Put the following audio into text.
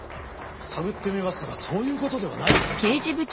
探ってみましたがそういう事ではないようです。